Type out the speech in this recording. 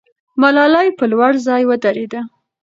ملالۍ په لوړ ځای ودرېده.